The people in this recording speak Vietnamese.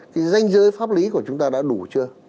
cái danh giới pháp lý của chúng ta đã đủ chưa